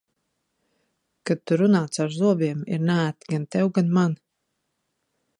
Kad tu runā caur zobiem, ir neērti gan tev, gan man.